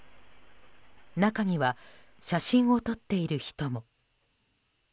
中には写真を撮っている人も。